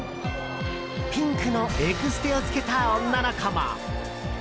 ピンクのエクステをつけた女の子も。